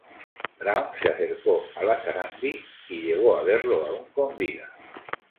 Brown se acercó a la Sarandí y llegó a verlo aún con vida.